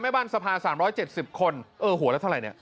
บ้านสภา๓๗๐คนเออหัวละเท่าไรเนี่ย